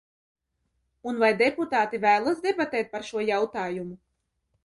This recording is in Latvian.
Un vai deputāti vēlas debatēt par šo jautājumu?